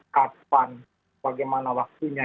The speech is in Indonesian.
kapan bagaimana waktunya